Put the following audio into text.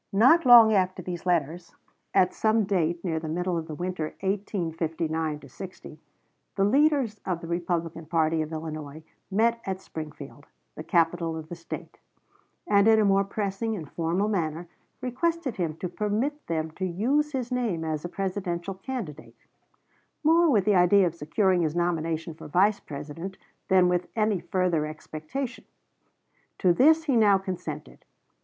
Not long after these letters, at some date near the middle of the winter 1859 60, the leaders of the Republican party of Illinois met at Springfield, the capital of the State, and in a more pressing and formal manner requested him to permit them to use his name as a Presidential candidate, more with the idea of securing his nomination for Vice President than with any further expectation. To this he now consented.